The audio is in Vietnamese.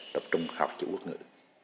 tập trung học chữ quốc ngữ